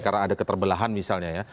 karena ada keterbelahan misalnya ya